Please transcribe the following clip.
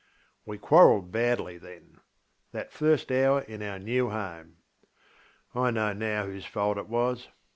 We quarrelled badly thenŌĆöthat first hour in our new home. I know now whose fault it was.